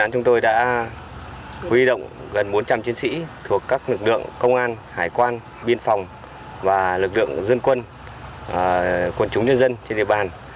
chúng tôi đã huy động gần bốn trăm linh chiến sĩ thuộc các lực lượng công an hải quan biên phòng và lực lượng dân quân quận chúng nhân dân trên địa bàn